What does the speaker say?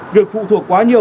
việc phụ thuộc quá nhiều